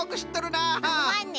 まあね。